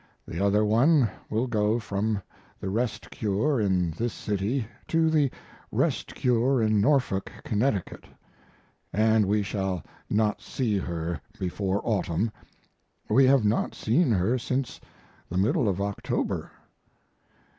The other one will go from the rest cure in this city to the rest cure in Norfolk, Connecticut; & we shall not see her before autumn. We have not seen her since the middle of October.